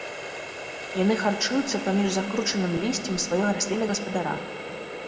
Яны харчуюцца паміж закручаным лісцем сваёй расліны-гаспадара.